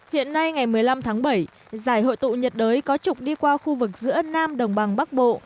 hiện nay ngày một mươi năm tháng bảy giải hội tụ nhiệt đới có trục đi qua khu vực giữa nam đồng bằng bắc bộ